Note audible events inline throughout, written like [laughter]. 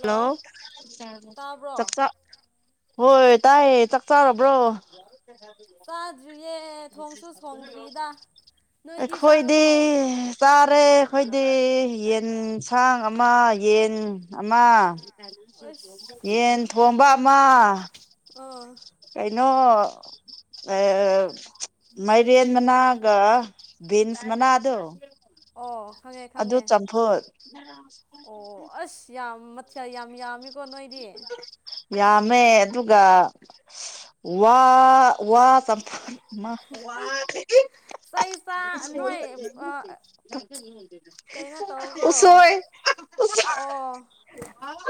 hello ꯆꯆꯥ ꯍ ꯇꯑ ꯆ ꯆꯥꯔꯕ꯭ꯔꯣ ꯑꯦ ꯊꯣꯡꯁꯨ ꯊꯣꯡꯗ꯭ꯔꯤꯗ ꯑꯩꯈꯣꯏꯗꯤ ꯆꯥꯔꯦ ꯑꯩꯈꯣꯏꯗꯤ ꯌꯦꯟꯁꯥꯡ ꯑꯃ ꯌꯦꯟ ꯑꯃ ꯌꯦꯟ ꯊꯣꯝꯕ ꯑꯃ ꯀꯩꯅꯣ ꯃꯥꯏꯔꯦꯟ ꯃꯅꯥꯒ ꯕꯤꯟꯁ ꯃꯅꯥꯗꯣ ꯑꯗꯨ ꯆꯝꯐꯨꯠ ꯑꯣ ꯑꯁ ꯌꯥꯝ ꯃꯊꯌꯥ ꯌꯥꯝ ꯌꯥꯝꯃꯤꯀꯣ ꯅꯣꯏꯗꯤ ꯌꯥꯝꯃꯦ ꯑꯗꯨꯒ ꯋꯥ ꯋꯥ ꯆꯝꯐ [inaudible] ꯋꯥ [inaudible] ꯀꯩꯅꯣ ꯇꯧꯀꯣ ꯑꯣ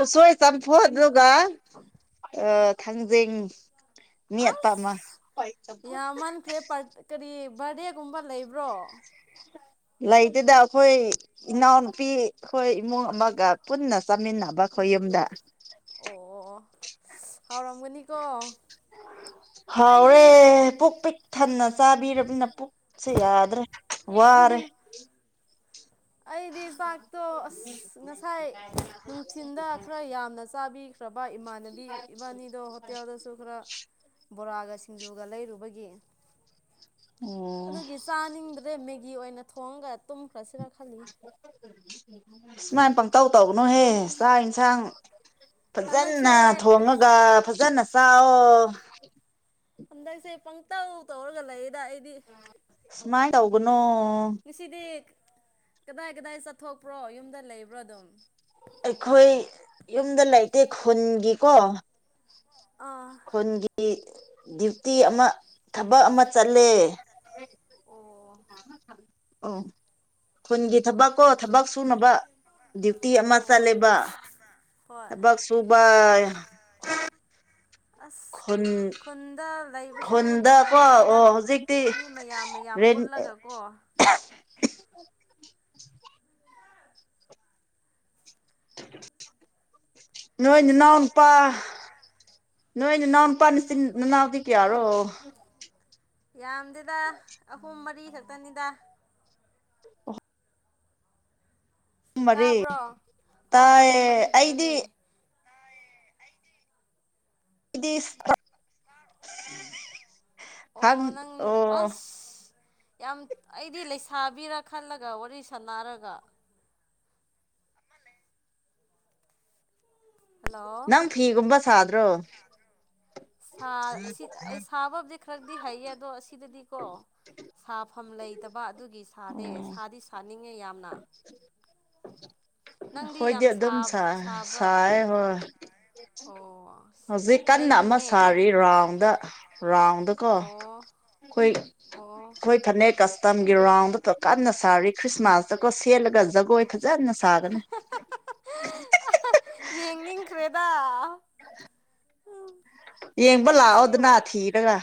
ꯎꯁꯣꯏ ꯆꯝꯐꯨ ꯑꯗꯨꯒ ꯊꯥꯡꯖꯤꯡ ꯑꯁ ꯌꯥꯝꯃꯅꯈꯔꯦ ꯄ ꯀꯔꯤ ꯕꯥꯔꯗꯦꯒꯨꯝꯕ ꯂꯩꯕ꯭ꯔꯣ ꯂꯩꯗꯨꯗ ꯑꯩꯈꯣꯏ ꯏꯅꯥꯎꯅꯨꯄꯤ ꯑꯩꯈꯣꯏ ꯏꯃꯨꯡ ꯑꯃꯒ ꯄꯨꯟꯅ ꯆꯥꯃꯤꯟꯅꯕ ꯑꯩꯈꯣꯏ ꯌꯨꯝꯗ ꯀꯣ ꯍꯥꯎꯔꯦ ꯄꯨꯛ ꯄꯤꯛ ꯊꯟꯅ ꯆꯥꯕꯤꯅꯤꯅ ꯄꯨꯛꯁꯦ ꯌꯥꯗ꯭ꯔꯦ ꯋꯥꯔꯦ ꯑꯩꯗꯤ ꯆꯥꯛꯇꯣ ꯑꯁ ꯉꯁꯥꯏ ꯅꯨꯡꯊꯤꯤꯟꯗ ꯈꯔ ꯌꯥꯝꯅ ꯆꯥꯕꯤꯈ꯭ꯔꯦ ꯅꯠꯇ꯭ꯔꯕ ꯏꯃꯥꯟꯅꯕꯤ ꯏꯕꯥꯅꯤꯗꯣ ꯍꯣꯇꯦꯜꯗꯁꯨ ꯈꯔ ꯕꯣꯔꯥꯒ ꯁꯤꯡꯖꯨꯒ ꯂꯩꯔꯨꯕꯒꯤ ꯑꯗꯨꯒꯤ ꯆꯥꯅꯤꯡꯗ꯭ꯔꯦ ꯃꯦꯒꯤ ꯑꯣꯏꯅ ꯊꯣꯡꯉꯒ ꯇꯨꯝꯈ꯭ꯔꯁꯤꯔ ꯁꯨꯃꯥꯏꯅ ꯄꯪꯇꯧ ꯇꯧꯕꯅꯨꯍꯦ ꯆꯥꯛ ꯌꯦꯟꯁꯥꯡ ꯐꯖꯅ ꯊꯣꯉꯒ ꯐꯖꯅ ꯆꯑꯣ ꯑꯗꯥꯏꯁꯦ ꯐꯪꯛꯇ ꯇꯧꯔꯒꯂ ꯁꯨꯃꯥꯏꯅ ꯇꯧꯒꯅꯣ ꯀꯗꯥꯏ ꯀꯗꯥꯏ ꯆꯠꯊꯣꯛꯄ꯭ꯔꯣ ꯌꯨꯝꯗ ꯂꯩꯕ꯭ꯔꯣ ꯑꯗꯨꯝ ꯑꯩꯈꯣꯏ ꯌꯨꯝꯗ ꯂꯩꯇꯦ ꯈꯨꯟꯒꯤꯀꯣ ꯈꯨꯟꯒꯤ ꯗ꯭ꯌꯨꯇꯤ ꯑꯃ ꯊꯕꯛ ꯑꯃ ꯆꯠꯂꯦ ꯑꯣ ꯈꯨꯟꯒꯤ ꯊꯕꯛ ꯀꯣ ꯊꯕꯛ ꯁꯨꯅꯕ ꯗ꯭ꯌꯨꯇꯤ ꯑꯃ ꯆꯂꯦꯕ ꯂꯒ ꯁꯕ ꯑꯁ ꯈꯨꯟꯗ ꯂꯩꯕꯁꯨ ꯅꯨꯡꯉꯥꯏꯕꯅꯤꯗ ꯃꯤ ꯃꯌꯥꯝ ꯃꯌꯥꯝ ꯄꯨꯜꯂꯒ ꯑꯣ [unintelligible] ꯅ ꯅꯅꯥꯎꯣꯟꯄꯥ ꯅꯣꯏꯅ ꯅꯅꯥꯎꯅ ꯄꯅꯤꯁꯤ ꯅꯅꯥꯎꯗꯤ ꯀꯦꯔꯣ ꯌꯥꯝꯗꯦꯗ ꯑꯍꯨꯝ ꯃꯔꯤ ꯈꯛꯇꯅꯤꯗ ꯄꯨꯝ ꯃꯔꯤ ꯇꯥꯏ ꯑꯩꯗꯤ ꯏꯗꯤ ꯍ ꯑꯣ ꯌꯥꯝ ꯑꯩꯗꯤ ꯂꯩꯁꯥꯕꯤꯔꯥ ꯈꯜꯂꯒ ꯋꯥꯔꯤ ꯁꯅꯔꯒ ꯅꯪ ꯐꯤꯒꯨꯝꯕ ꯁꯥꯗ꯭ꯔꯣ ꯑꯩ ꯁꯥꯕꯕꯗꯤ ꯈꯔꯗꯤ ꯍꯩꯌꯦ ꯑꯗꯣ ꯑꯁꯤꯗꯗꯤꯀꯣ ꯇꯐꯝ ꯂꯩꯇꯕ ꯑꯗꯨꯒꯤ ꯁꯥꯗꯦ ꯁꯥꯗꯤ ꯁꯥꯅꯤꯡꯉꯦ ꯌꯥꯝꯅ ꯍꯣꯏꯗꯤ ꯑꯗꯨ ꯑꯗꯨꯝ ꯁꯥ ꯁꯥꯏ ꯍꯣꯏ ꯎ ꯍꯧꯖꯤꯛ ꯀꯟꯅ ꯑꯃ ꯁꯥꯔꯤ ꯔꯥꯎꯟꯗ ꯔꯥꯎꯟꯗꯀꯣ ꯑꯩꯣꯏ ꯑꯩꯣꯏ ꯊ ꯀꯁ ꯃꯇꯝꯒꯤ ꯔꯥꯎꯟꯗꯨꯁꯨ ꯀꯟꯅ ꯁꯥꯔꯤ ꯈ꯭ꯔꯤꯁꯃꯥꯁꯇꯒꯣ ꯁꯦꯠꯂꯒ ꯖꯒꯣꯏ ꯌꯥꯝꯅ ꯁꯥꯒꯅ ꯑꯐ ꯎ ꯌꯦꯡꯕ ꯂꯥꯛꯑꯣꯗꯅ ꯊꯤꯔꯒ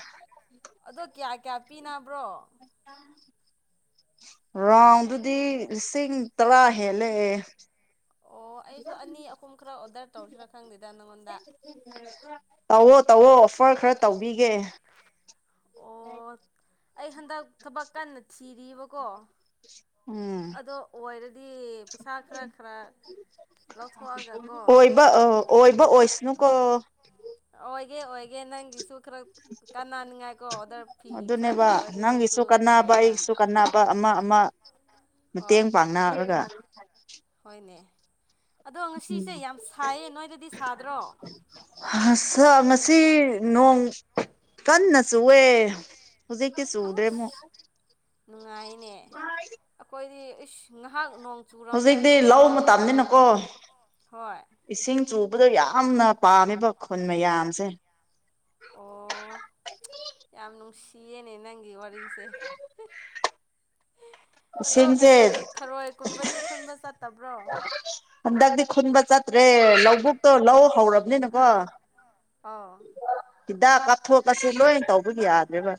ꯀꯌꯥ ꯀꯌꯥ ꯄꯤꯅꯥ ꯑ ꯔꯥꯎꯗꯨꯗꯤ ꯂꯤꯁꯤꯡ ꯇꯔꯥ ꯍꯦꯜꯂꯛꯦ [inaudible] ꯇꯋꯣ ꯇꯋꯣ ꯑꯣꯐꯔ ꯈꯔ ꯑꯣ ꯑꯩ ꯍꯟꯗꯛ ꯊꯕꯛ ꯀꯟꯅ ꯁꯤꯔꯤꯕꯀꯣ ꯑꯗꯣ ꯑꯣꯏꯔꯗꯤ ꯄꯩꯁꯥ ꯈꯔ ꯈꯔ ꯑꯣꯏꯣꯏꯕ ꯑꯣꯏꯣꯏꯕ ꯑꯣꯏꯁꯅꯨ ꯀ ꯀ ꯑꯣꯏꯒꯦ ꯅꯪꯒꯤꯁꯨ ꯈꯔ ꯀꯥꯟꯅꯅꯤꯡꯉꯥꯏꯀꯣ ꯑꯣꯔꯗꯔ ꯐꯤ ꯈꯔ ꯇꯧꯔꯗꯤ ꯅꯪꯁꯨ ꯐꯩꯅ ꯑꯃ ꯑꯃ ꯃꯇꯦꯡ ꯄꯥꯡꯅꯔꯒ ꯑꯗꯣ ꯉꯁꯤꯁꯦ ꯌꯥꯝ ꯁꯥꯏꯌꯦ ꯅꯣꯏꯗꯗꯤ ꯁꯥꯗ꯭ꯔꯣ ꯁꯥ ꯉꯁꯤ ꯅꯣꯡ ꯀꯟꯅ ꯆꯨꯑꯦ ꯍꯧꯖꯤꯛꯇꯤ ꯆꯨꯗ꯭ꯔꯦ ꯑꯃꯨꯛ ꯅꯨꯡꯉꯥꯏꯅꯦ ꯑꯩꯈꯣꯏꯗꯤ ꯎꯁ ꯉꯥꯏꯍꯥꯛ ꯅꯣꯡ ꯆꯨꯔꯝꯃꯦ ꯑꯗꯨꯒ ꯍꯣꯏ ꯆꯨꯕꯗꯣ ꯌꯥꯝꯅ ꯄꯥꯝꯃꯦꯕ ꯈꯨꯟ ꯃꯌꯥꯝꯁꯦ ꯁꯤꯌꯦꯅꯦ ꯅꯪꯒꯤ ꯋꯥꯔꯤꯁꯦ ꯑꯗꯣ ꯀꯩꯅꯣꯗꯤ ꯊꯔꯣꯏ ꯀꯨꯝꯕꯗꯤ ꯈꯨꯟꯕ ꯆꯠꯇꯕ꯭ꯔꯣ ꯍꯟꯗꯛꯇꯤ ꯈꯨꯟꯕ ꯆꯠꯇ꯭ꯔꯦ ꯂꯧꯕꯨꯛꯇꯣ ꯂꯧ ꯍꯧꯔꯕꯅꯤꯅꯀꯣ ꯑꯥ ꯍꯤꯗꯥꯛ ꯀꯥꯞꯊꯣꯛꯀꯥꯁꯤ ꯂꯣꯏ ꯇꯧꯕꯗꯤ ꯌꯥꯗ꯭ꯔꯦꯕ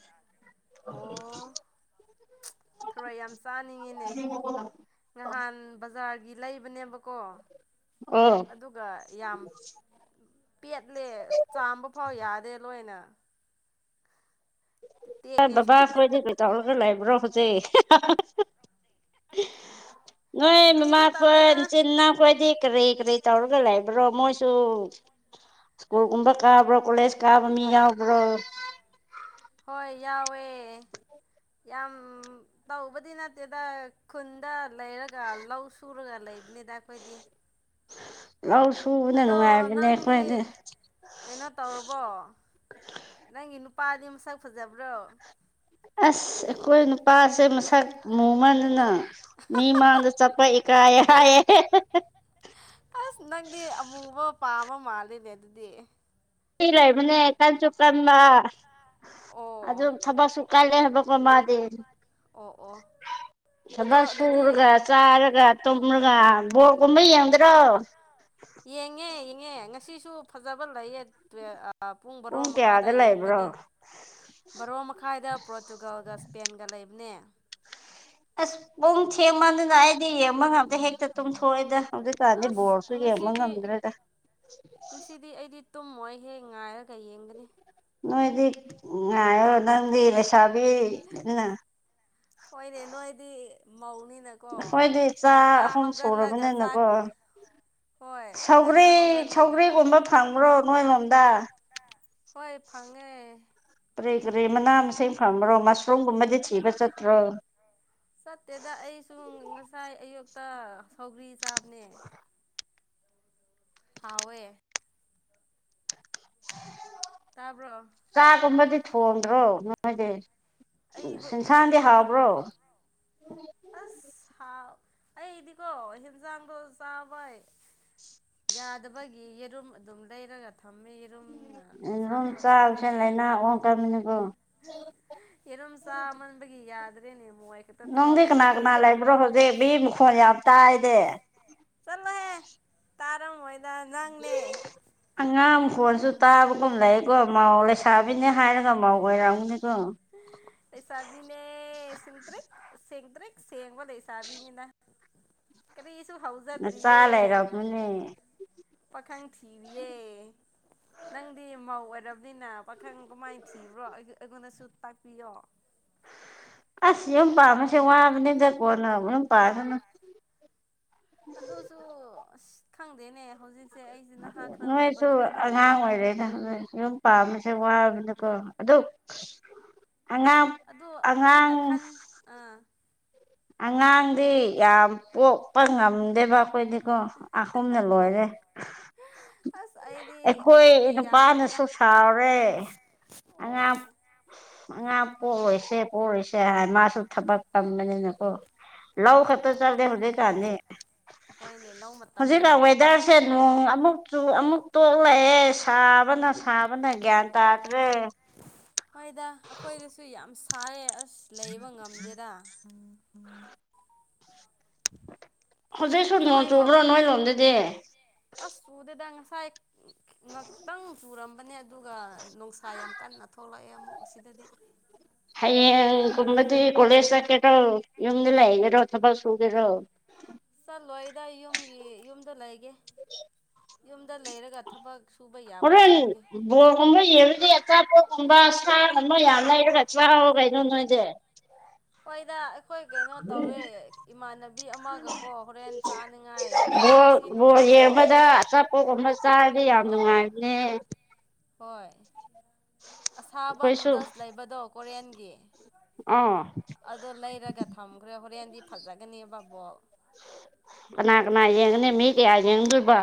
ꯊꯔꯣꯏ ꯌꯥꯝ ꯆꯥꯅꯤꯡꯉꯤꯅꯦ ꯅꯍꯥꯟ ꯕꯖꯥꯔꯒꯤ ꯒꯤ ꯂꯩꯕꯅꯦꯕꯀꯣ ꯑꯗꯨꯒ ꯌꯥꯝ ꯄꯦꯠꯂꯦ ꯆꯥꯝꯕ ꯐꯥꯎ ꯌꯥ ꯑ ꯂꯣꯏꯅ ꯍ ꯕꯕꯥ ꯑꯩꯈꯣꯏꯗꯤ ꯀꯩ ꯇꯧꯔꯒ ꯂꯩꯕ꯭ꯔꯣ ꯍꯧꯖꯤꯛ [inaudible] ꯅꯣꯏ ꯃꯃꯥꯈꯣꯏꯆꯤꯟꯅꯈꯣꯏꯗꯤ ꯀꯔꯤ ꯀꯔꯤ ꯇꯧꯔꯒ ꯂꯩꯕ꯭ꯔꯣ ꯃꯣꯏꯁꯨ ꯁ꯭ꯀꯨꯜ ꯀꯕ꯭ꯔ ꯀꯥꯕ꯭ꯔꯣ ꯀꯣꯂꯖ ꯀꯥꯕ ꯃꯤ ꯌꯥꯕ꯭ꯔꯣ ꯍꯣꯏ ꯌꯥꯎꯋꯦ ꯌꯥꯝ ꯇꯧꯕꯗꯤ ꯅꯠꯇꯦꯗ ꯈꯨꯟꯗ ꯂꯩꯔꯒ ꯂꯧ ꯁꯨꯔꯒ ꯂꯩꯕ ꯏꯅꯤꯗ ꯀ ꯑꯣꯏꯗꯤ ꯑꯗꯣ ꯅꯪꯗꯤ ꯀꯩꯅꯣ ꯇꯧꯔꯕꯣ ꯅꯪꯒꯤ ꯅꯨ ꯄꯥꯗꯤ ꯃꯁꯛ ꯐꯖꯕ꯭ꯔꯣ ꯑꯁ ꯑꯩꯈꯣꯏ ꯅꯨꯄꯥꯁꯦ ꯃꯁꯛ ꯃꯨꯃꯅꯤꯅ ꯃꯤꯃꯥꯡꯗ ꯆꯄ ꯏꯀꯥꯏ ꯍꯥꯏꯌꯦ ꯑꯁ ꯅꯪꯗꯤ ꯑꯃꯨꯕ ꯄꯥꯝꯕ ꯃꯥꯜꯂꯤꯅꯦ ꯑꯗꯨꯗꯤ ꯁꯤ ꯂꯩꯕꯅꯦ ꯀꯟꯁꯨ ꯀꯟꯕ ꯑꯗꯨꯝ ꯊꯕꯛꯁꯨ ꯀꯜꯂꯦ ꯊꯕꯛꯀ ꯃꯥꯗꯦ ꯊꯕꯛ ꯁꯨꯔꯒ ꯆꯥꯔꯒ ꯇꯃꯒ ꯀꯨꯝꯕ ꯌꯦꯡꯗꯔꯣ ꯌꯦꯡꯉꯦ ꯌꯦꯡꯉꯦ ꯉꯁꯤꯁꯨ ꯐꯖꯕ ꯂꯩꯌꯦ ꯄꯨꯡ ꯕꯔꯣ ꯃꯈꯥꯏꯗ ꯌꯦꯡꯒꯅꯤ ꯕꯥꯔꯣ ꯃꯈꯥꯏꯗ ꯄꯣꯔꯇꯨꯒꯜꯒ ꯏꯁꯄꯦꯟꯒ ꯂꯩꯕꯅꯦ ꯑꯁꯦꯃꯗꯅꯅꯥꯑ ꯗꯤ ꯌꯦꯡꯕ ꯉꯝꯗꯦ ꯍꯦꯛꯇ ꯇꯨꯝꯊꯣꯛꯏꯗ ꯍꯧꯖꯤꯛ ꯀꯥꯟꯗꯤ ꯕꯣꯔꯁꯨ ꯌꯦꯡꯕ ꯉꯝꯗ꯭ꯔꯦꯗ ꯉꯁꯤꯗꯤ ꯑꯩꯗꯤ ꯇꯨꯝꯃꯣꯏ ꯍꯦꯛ ꯉꯥꯏꯔ ꯅꯣꯏꯗꯤ ꯉ ꯅꯗꯤ ꯊꯕꯤ ꯅ ꯃꯧꯅꯤꯅꯀꯣ ꯉꯟꯇꯥ ꯍꯧꯒꯠꯂꯒ ꯆꯥꯛ ꯁꯧꯒ꯭ꯔꯤ ꯁꯧꯒꯔꯤꯒꯨꯝꯕ ꯐꯪꯕ꯭ꯔꯣ ꯅꯣꯏꯂꯣꯝꯗ ꯍꯣꯏ ꯐꯉꯦ ꯀꯔꯤ ꯀꯔꯤ ꯃꯅꯥ ꯃꯁꯤꯡ ꯐꯕ꯭ꯔꯣ ꯃꯁꯔꯨꯝꯒꯨꯝꯕꯗꯤ ꯊꯤꯕ ꯆꯠꯇ꯭ꯔꯣ ꯆꯠꯇꯦꯗ ꯑꯩꯁꯨ ꯉꯁꯥꯏ ꯑꯌꯨꯛꯇ ꯁꯧꯒ꯭ꯔꯤ ꯆꯥꯕꯅꯦ ꯍꯋꯣꯏꯦ ꯆꯥꯒꯨꯝꯕꯗꯤ ꯊꯣꯡꯗ꯭ꯔꯣ ꯅꯣꯡꯃꯗꯤ ꯑꯩ ꯍ ꯉꯁꯤꯒꯤꯗꯤ ꯑꯁꯥꯎ ꯑꯩꯗꯤꯀꯣ ꯍꯟꯖꯥꯡꯗꯣ ꯆꯥꯕꯩ ꯌꯥꯗꯕꯒꯤ ꯌꯦꯔꯨꯝ ꯑꯗꯨꯝ ꯂꯩꯔꯒ ꯊꯝꯃꯤꯔꯨꯝꯅ ꯆꯥꯛ ꯈꯔ ꯆꯪꯉꯤ ꯏꯔꯣꯝ ꯆꯥꯃꯟꯕꯒꯤ ꯌꯥꯗ꯭ꯔꯦꯅꯦꯕ ꯅꯪꯗꯤ ꯀꯅꯥ ꯀꯅꯥ ꯂꯩꯕ꯭ꯔꯣ ꯍꯧꯖꯤꯛ ꯕꯤ ꯃꯈꯣꯟ ꯌꯥꯝ ꯇꯥꯏꯗꯦ [unintelligible] ꯑꯉꯥꯡ ꯐꯣꯟꯁꯨ ꯇꯥꯕꯒꯨꯝ ꯂꯩꯀꯣ ꯃꯥꯑꯣꯡ ꯂꯩꯁꯥꯕꯤꯅꯦ ꯍꯥꯏ ꯄꯥꯝꯒꯦꯔꯥꯡꯅ ꯁꯕꯤꯅꯦ ꯁꯤꯇꯦꯛ ꯁꯁꯤꯡꯗꯅ ꯁꯦꯡ ꯋꯥꯦ ꯍꯁꯥꯕꯅꯤꯅ ꯀꯔꯤ ꯅ ꯆꯂꯦꯔꯄꯅꯦ ꯄꯥꯈꯪ ꯊꯤꯔꯤꯌꯦ ꯅꯪꯗꯤ ꯃꯧ ꯑꯣꯏꯔꯕꯅꯤꯅ ꯄꯥꯈꯪ ꯀꯃꯥꯏꯅ ꯊꯤꯕ꯭ꯔꯣ ꯑꯩꯉꯣꯟꯗꯁꯨ ꯇꯥꯛꯄꯤꯌꯣ ꯑꯁ ꯌꯨꯝ ꯄꯥꯝꯃꯁꯦ ꯋꯥꯕꯅꯤꯗ ꯀꯣꯟꯅ ꯌꯨꯝ ꯄꯥꯁꯤꯅ ꯑꯗꯨꯁꯨ ꯑꯁ ꯈꯪꯗꯦꯅꯦ ꯍꯧꯖꯤꯛ ꯅꯣꯏꯁꯨ ꯑꯉꯥꯡ ꯑꯣꯏꯔꯅ ꯌꯨꯝ ꯄꯥꯃꯤꯁꯦ ꯋꯥꯕꯅꯤꯀꯣ ꯑꯗꯣ ꯑ ꯑꯩꯅ ꯈꯟ ꯑ ꯑꯉꯥꯡꯗꯤ ꯌꯥꯝ ꯄꯣꯛꯄ ꯉꯝꯗꯦꯕ ꯑꯩꯈꯣꯏꯗꯤ ꯀꯣ ꯑꯁꯣꯨꯝꯅ ꯂꯣꯏꯔꯦ ꯑꯩꯈꯣꯏ ꯅꯨꯄꯥꯅꯁꯨ ꯁꯥꯥꯎꯔꯦ ꯑꯉꯥꯡ ꯑꯉꯥꯡ ꯄꯣꯛꯑꯣꯣꯏꯁꯦ ꯄꯣꯛꯑꯣꯣꯏꯁꯦ ꯍꯥꯏ ꯃꯥꯁꯨ ꯊꯕꯛꯝ ꯑꯣ ꯂꯎ ꯈꯔꯠꯇ ꯆꯠꯗꯦ ꯍꯧꯅꯦ ꯆꯥꯅꯤ ꯍꯧꯖꯤꯛꯀ ꯋꯦꯗꯔꯁꯦ ꯑꯗꯨꯝ ꯑꯃꯨꯛꯁꯨ ꯑꯃꯨꯛ ꯇꯣꯛꯂꯛꯑꯦ ꯁꯥꯕꯅ ꯁꯥꯕꯅ ꯒ꯭ꯌꯥꯟ ꯇꯥꯗ꯭ꯔꯦ ꯍꯣꯏꯗ ꯑꯩꯈꯣꯏꯗꯁꯨ ꯌꯥꯝ ꯁꯔꯦ ꯑꯁ ꯂꯩꯕ ꯉꯝꯗꯦꯗ ꯎꯝ ꯍꯧꯖꯤꯛꯁꯨ ꯅꯣꯡ ꯆꯨꯕ꯭ꯔꯣ ꯅꯣꯏ ꯂꯣꯝꯗꯗꯤ ꯉꯥꯏ ꯉꯥꯛꯇꯪ ꯆꯨꯔꯝꯕ ꯅꯦ ꯑꯗꯨꯒ ꯅꯨꯡꯁꯥ ꯌꯥꯝ ꯀꯟꯅ ꯊꯣꯛꯂꯛꯑꯦ ꯑꯃꯨꯛ ꯁꯤꯗꯗꯤ ꯍꯥꯏꯌꯦꯦ ꯀꯃꯗꯤ ꯀꯣꯂꯦꯖ ꯆꯀꯦꯠ ꯌꯂ ꯌꯦꯔꯣ ꯑꯕ ꯁꯨꯒꯦꯔꯣ ꯆꯠ ꯂꯣꯏꯗ ꯌꯨꯝꯒꯤ ꯌꯨꯝꯗ ꯂꯩꯒꯦ [unintelligible] ꯌꯨꯝꯗ ꯂꯩꯔꯒ ꯊꯕꯛ ꯍꯣꯔꯦꯟ ꯕꯣꯔꯒꯨꯝꯕ ꯌꯦꯡꯔꯨꯗꯤ ꯑꯆꯥꯄꯣꯠꯒꯨꯝꯕ ꯁꯥꯒꯨꯝꯕ ꯌꯥꯝ ꯂꯩꯔꯒ ꯆ ꯀꯩꯗ ꯅꯣꯏꯖꯦ ꯍꯣꯏꯗ ꯑꯩꯈꯣꯏ ꯀꯩꯅꯣ ꯇꯧꯋꯦ ꯏꯃꯥꯟꯅꯕꯤ ꯑꯃꯒꯀꯣ ꯍꯣꯔꯦꯟ ꯆꯥꯅꯤꯉꯥꯏ ꯏꯁꯄꯥꯏꯁꯤ ꯅꯨꯗꯜ ꯌꯦꯡꯕꯗ ꯑꯆꯥꯄꯣꯠ ꯑꯃ ꯆꯥꯔꯗꯤ ꯌꯥꯝ ꯅꯨꯡꯉꯥꯏꯕꯅꯦ ꯍꯣꯏ ꯑꯁꯥꯕ ꯅꯨꯗꯜꯁ ꯂꯩꯕꯗꯣ ꯀꯣꯔꯤꯌꯟꯒꯤ ꯑꯣ ꯂꯩꯔꯒ ꯊꯝꯈ꯭ꯔꯦ ꯍꯣꯔꯦꯟꯗꯤ ꯐꯖꯒꯅꯤ ꯕꯥꯕꯣꯛ ꯑꯅꯥ ꯀꯅꯥ ꯃꯤ ꯀꯌꯥ ꯌꯦꯕ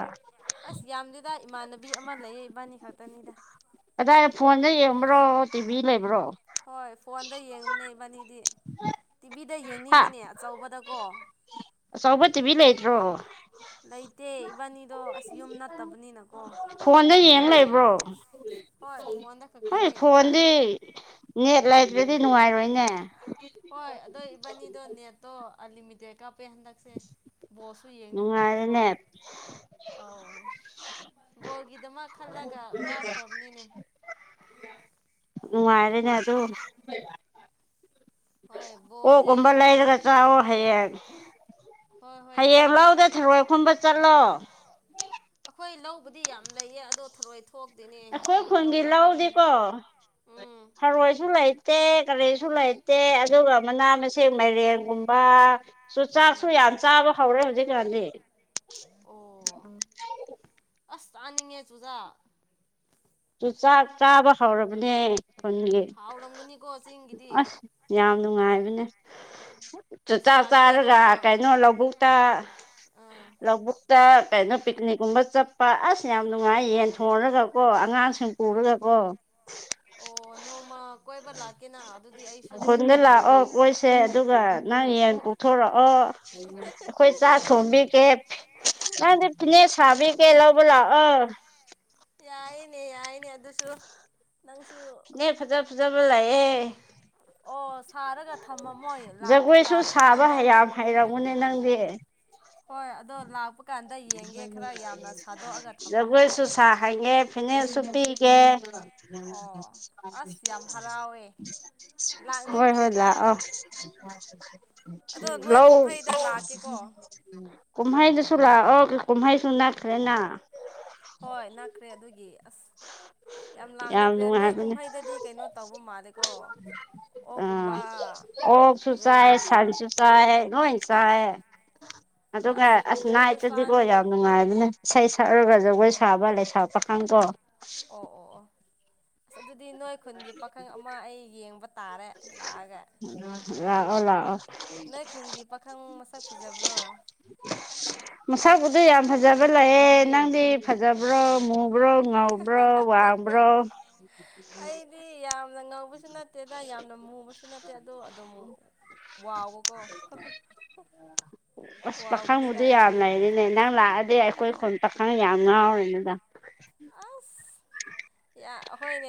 ꯑꯁ ꯌꯥꯝꯗꯦꯗ ꯏꯃꯥꯟꯅꯕꯤ ꯑꯃ ꯂꯩꯌꯦ ꯏꯕꯥꯅꯤ ꯈꯛꯇꯅꯤꯗ ꯑꯗꯥꯏꯗ ꯐꯣꯟꯗ ꯌꯦꯡꯕ꯭ꯔꯣ ꯇꯤꯚꯤ ꯂꯩꯕ꯭ꯔꯣ ꯍꯣꯏ ꯐꯣꯟꯗ ꯌꯦꯡꯕꯅꯦ ꯃꯅꯤꯗꯤ [unintelligible] ꯁꯤꯗ ꯌꯦꯡꯅꯤꯡꯉꯤꯅꯦ ꯑꯆꯧꯕꯗꯀꯣ ꯁꯧꯕꯠꯇꯕꯤꯂ ꯍꯥꯏꯗ꯭ꯔꯣ ꯂꯩꯇꯦ ꯏꯕꯥꯅꯤꯗꯣ ꯑꯁ ꯌꯨꯝ ꯅꯠꯇꯕꯅꯤꯅꯀꯣ ꯂꯩꯇꯦꯕ ꯍꯣꯏ ꯐꯣꯟꯟꯗ ꯐꯛꯇꯅꯦ ꯅꯦꯠ ꯂꯩꯥꯏꯇ꯭ꯔꯗꯤ ꯅꯨꯡꯉꯥꯏꯔꯣꯏꯅꯦ ꯅꯤꯗꯣ ꯅꯦꯠꯇꯣ ꯑ ꯃꯦ ꯀ ꯍꯥꯄꯦ ꯍꯟꯗꯛꯁꯦ ꯕꯣꯁꯁꯨ ꯌꯦꯡꯅꯤꯡꯕꯒꯤꯀꯣ ꯑꯥꯎ ꯕꯣꯜꯒꯤꯗꯃꯛ ꯈꯜꯂꯒ ꯀꯥꯞꯈ꯭ꯔꯕꯅꯤꯅꯦ ꯃꯅꯨꯡꯉꯥꯏꯔꯦꯅꯦ ꯑꯗꯨ ꯑꯣ ꯀꯝꯕꯜ ꯂ ꯂꯩꯗꯒꯆꯥ ꯑꯣ ꯍꯥꯏꯌꯦ ꯍꯌꯦꯡ ꯂꯧꯗ ꯊꯔꯣꯏ ꯈꯨꯝꯕ ꯆꯠꯂꯣ ꯑꯩꯈꯣꯏ ꯂꯧꯕꯗꯤ ꯌꯥꯝ ꯂꯩꯌꯦ ꯑꯗꯣ ꯊꯔꯣꯏ ꯑꯩꯈꯣꯏ ꯈꯣꯡꯒꯤ ꯂꯎꯗꯤꯦꯀꯣ ꯁꯔꯣꯏꯁꯨ ꯂꯩꯇꯦ ꯀꯔꯤꯁꯨ ꯂꯩꯇꯦ ꯇꯦ ꯑꯗꯨꯒ ꯃꯅꯥ ꯃꯁꯤꯡꯦꯛ ꯃꯥꯏꯔꯦꯡꯒꯨꯝꯕ ꯁꯨ ꯆꯥꯛꯁꯨ ꯌꯥꯝ ꯆꯥꯕ ꯍꯧꯔꯦ ꯍꯧꯖꯤꯛꯀꯥꯟꯗꯤ ꯑꯁ ꯇꯥꯅꯤꯡꯉꯦ ꯆꯨꯖꯥ ꯆꯨ ꯆꯥꯛ ꯆꯥꯕ ꯍꯧꯔꯕꯅꯦ ꯈꯨꯟꯒꯤ ꯑꯁ ꯌꯥꯝ ꯅꯨꯡꯉꯥꯏꯕꯅꯦ ꯆꯥꯛ ꯆꯥ ꯆꯥꯔꯒ ꯀꯩꯅꯣ ꯂꯧꯕꯨꯛꯇ ꯂꯧꯕꯨꯛꯇ ꯀꯩꯅꯣ ꯄꯤꯛꯅꯤꯛꯀꯨꯝꯕ ꯆꯠꯄ ꯑꯁ ꯌꯥꯝ ꯅꯨꯡꯉꯥꯏ ꯌꯦꯟ ꯊꯣꯡꯔꯒꯀꯣ ꯑꯉꯥꯡꯁꯤꯡ ꯀꯔ ꯂꯀꯣ ꯑꯣ ꯅꯣꯡꯃ ꯀꯣꯏꯕ ꯂꯥꯛꯀꯦꯅ ꯑꯗꯨꯗꯤ ꯈꯨꯟꯗ ꯂꯥꯛꯑꯣ ꯀꯣꯏꯁꯦ ꯑꯗꯨꯒ ꯅꯪ ꯌꯦꯟ ꯀꯣꯛꯊꯣꯔꯛꯑꯣ ꯑꯩꯈꯣꯏ ꯆꯥꯛ ꯊꯣꯡꯕꯤꯒꯦ ꯅꯪꯗꯤ ꯐꯤꯅ ꯁꯥꯕꯤꯒꯦ ꯂꯧꯕ ꯂꯥꯛꯑꯣ ꯑꯥ ꯌꯥꯏꯅꯦ ꯌꯥꯏꯅꯦ ꯑꯗꯨ ꯑꯗꯨꯁꯨ ꯅꯪꯁꯨ ꯅꯦ ꯐꯖ ꯐꯖꯕ ꯂꯥꯛꯑꯦ ꯑꯣ ꯖꯒꯣꯏꯁꯨ ꯁꯥꯕ ꯍꯌꯥꯝ ꯍꯩꯔꯝꯃꯨꯅꯦ ꯅꯪꯗꯤ ꯍꯣꯏ ꯑꯗꯣ ꯂꯥꯛꯄ ꯖꯒꯣꯏꯁꯨ ꯁꯥ ꯍꯩꯉꯦ ꯐꯤꯅꯁꯨ ꯄꯤ ꯀꯦ ꯍꯣꯏ ꯍꯣꯏ ꯂꯥꯛ ꯑ ꯂꯧ ꯀꯨꯍꯍꯥꯏꯗꯨ ꯂ ꯑꯣ ꯀ ꯀꯨꯝꯍꯥꯏꯁꯨꯅꯈ꯭ꯔꯦꯅ ꯍꯣꯏ ꯅꯛꯈ꯭ꯔꯦ ꯑꯗꯨꯒꯤ ꯑꯁ ꯌꯥꯝ ꯂꯥꯡꯅꯤꯡꯈ꯭ꯔꯦ ꯅꯣꯏ ꯀꯨꯝꯍꯩꯗꯗꯤ ꯀꯩꯅꯣ ꯇꯧꯕ ꯃꯥꯜꯂꯦꯀꯣ ꯑ ꯑꯣꯁꯨ ꯆꯥꯏ ꯁꯕꯤꯁꯨ ꯆꯥꯏ ꯂꯣꯏ ꯆꯥꯏ ꯑꯗꯨꯒ ꯑꯁꯅ ꯑꯗꯨꯗꯤꯀꯣ ꯌꯥꯝ ꯅꯨꯡꯉꯥꯏ ꯑꯗꯨꯅ ꯏꯁꯩ ꯁꯛꯔꯒ ꯖꯒꯣꯏ ꯁꯥꯕ ꯂꯩꯁꯥ ꯄꯥꯈꯪ ꯀꯣ [unintelligible] ꯑꯁ ꯑꯗꯨꯗꯤ ꯅꯣꯏ ꯈꯨꯟꯒꯤ ꯄꯥꯈꯪ ꯑꯃ ꯑꯩ ꯌꯦꯡꯕ ꯇꯥꯔꯦ ꯂꯥꯛꯑꯒ ꯑꯣꯂ ꯑꯣ ꯅꯣꯏ ꯈꯨꯟꯒꯤ ꯄꯥꯈꯪ ꯃꯁꯛ ꯐꯖꯕ꯭ꯔꯣ ꯐꯖꯕ ꯂꯥꯛꯑꯦ ꯅꯪꯗꯤ ꯐꯖꯕ꯭ꯔꯣ ꯃꯨꯛ ꯉꯕ꯭ꯔꯣ ꯉꯥꯎꯕ꯭ꯔꯣ ꯋꯥꯕ꯭ꯔꯣ ꯁꯤꯗ ꯌꯥꯝꯅ ꯃꯨꯕꯁꯨ ꯅꯠꯇꯦ ꯑꯗꯣ ꯑꯗꯨꯝ ꯋꯥꯕꯀꯣ ꯑꯁ ꯄꯥꯈꯪꯕꯨꯗꯤ ꯌꯥꯝ ꯂꯩꯔꯤꯅꯦ ꯅꯪ ꯂꯥꯛꯑꯗꯤ ꯑꯩꯈꯣꯏ ꯈꯨꯣꯟ ꯄꯥꯈꯪ ꯌꯥꯝ ꯉꯥꯎꯔꯤꯦꯅꯤꯗ ꯍꯣꯏ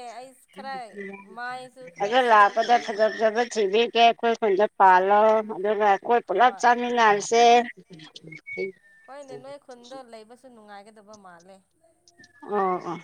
ꯑꯗꯨꯗ ꯂꯥꯄꯗ ꯊꯖꯕ ꯆꯖ ꯊꯕꯤ ꯀ ꯈꯖ ꯄꯂ ꯃꯒ ꯑꯩꯈꯣꯏ ꯄꯨꯜꯂꯞ ꯆꯥꯃꯤꯟꯅꯔꯁꯦ ꯑꯗꯨꯕ ꯃꯥꯂꯦ ꯑꯣ ꯑ